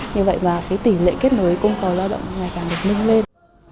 như vậy mà tỉ lệ kết nối công cầu lao động ngày càng được nâng lên